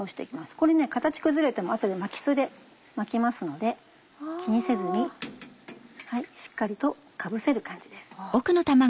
これね形崩れても後で巻きすで巻きますので気にせずにしっかりとかぶせる感じです。